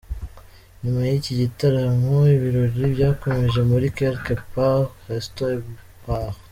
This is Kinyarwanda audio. Nyuma y’iki gitaramo ibirori byakomereje muri Quelque Part Resto&Bar.